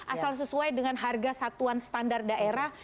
asal sesuai dengan harga satuan standar daerah